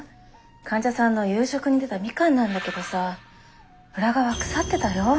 患者さんの夕食に出たみかんなんだけどさ裏側腐ってたよ。